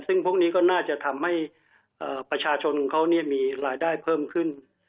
ซึ่งพวกนี้ก็น่าจะทำให้ประชาชนของเขามีรายได้เพิ่มขึ้น